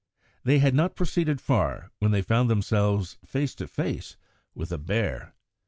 They had not proceeded far when they found themselves face to face with a bear.